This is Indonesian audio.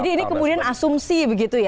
jadi ini kemudian asumsi begitu ya